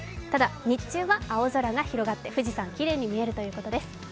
ただ、日中は青空が広がって富士山、きれいに見えるということです。